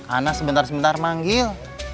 anak sebentar sebentar manggil